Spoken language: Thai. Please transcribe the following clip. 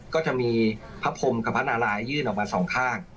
ก็จะมีพระพรมกับพระนารายยื่นออกมาสองข้าง